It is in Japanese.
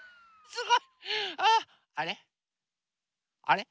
あれ？